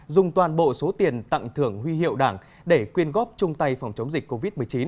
dùng toàn bộ số tiền tặng thưởng huy hiệu đảng để quyên góp chung tay phòng chống dịch covid một mươi chín